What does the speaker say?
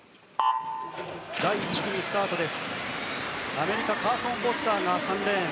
アメリカカーソン・フォスター３レーン。